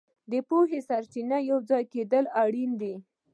د پوهې سرچینې یوځای کول اړین دي.